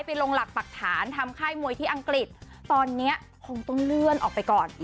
ไปลงหลักปรักฐานทำค่ายมวยที่อังกฤษตอนนี้คงต้องเลื่อนออกไปก่อน